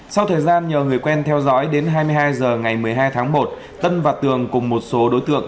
sau thời gian nhờ người quen theo dõi đến hai mươi hai h ngày một mươi hai tháng một tân và tường cùng một số đối tượng